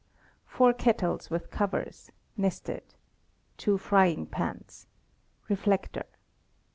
4 kettles with covers, nested. 2 frying pans. Reflector.